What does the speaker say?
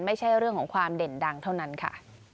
ไม่ใช่เรื่องของความเด่นดังเท่านั้นค่ะ